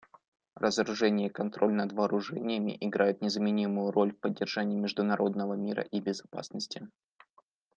Разоружение и контроль над вооружениями играют незаменимую роль в поддержании международного мира и безопасности.